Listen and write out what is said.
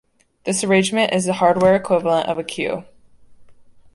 This arrangement is the hardware equivalent of a queue.